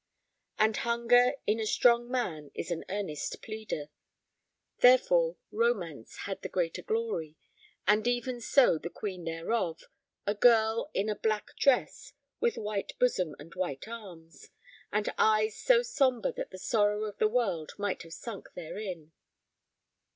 And hunger in a strong man is an earnest pleader. Therefore, romance had the greater glory, and even so the queen thereof—a girl in a black dress, with white bosom and white arms, and eyes so sombre that the sorrow of the world might have sunk therein.